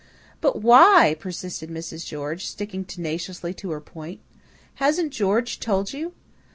"But WHY?" persisted Mrs. George, sticking tenaciously to her point. "Hasn't George told you?"